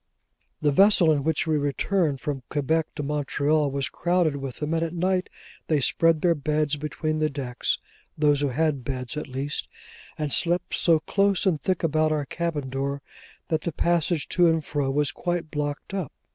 The vessel in which we returned from Quebec to Montreal was crowded with them, and at night they spread their beds between decks (those who had beds, at least), and slept so close and thick about our cabin door, that the passage to and fro was quite blocked up.